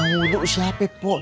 yang wuduk siapa pok